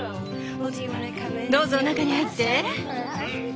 どうぞ中に入って。